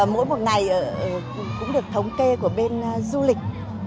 mỗi một ngày cũng được thống kê của bên du lịch